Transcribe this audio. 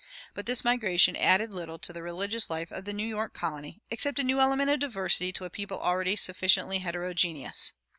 But this migration added little to the religious life of the New York Colony, except a new element of diversity to a people already sufficiently heterogeneous.